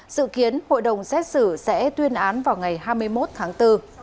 dự kiến hội đồng xét xử sẽ tuyên án vào ngày hai mươi một tháng bốn